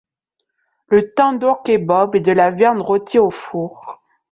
Le tandoorkebob est de la viande rôtie au four.